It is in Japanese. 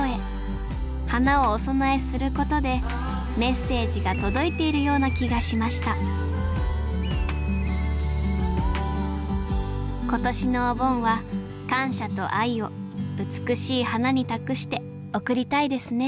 花をお供えすることでメッセージが届いているような気がしました今年のお盆は感謝と愛を美しい花に託して送りたいですね